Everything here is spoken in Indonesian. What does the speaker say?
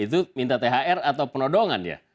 itu minta thr atau penodongan ya